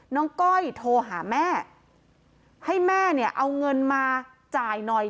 ก้อยโทรหาแม่ให้แม่เนี่ยเอาเงินมาจ่ายหน่อย